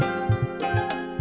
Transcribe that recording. aduh aduh aduh